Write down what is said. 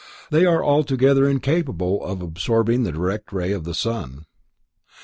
They are altogether incapable of absorbing the direct ray of the sun.